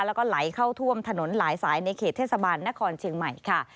แล้วก็ไหลเข้าท่วมถนนหลายสายในเขตเทศบาลนครเชียงใหม่ค่ะ